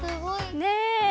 ねえ。